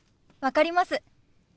分かります。